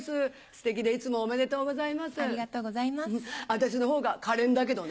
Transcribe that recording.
私のほうがカレンだけどね。